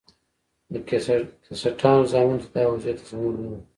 د کسټانو زامنو ته دا وضعیت د زغملو نه و.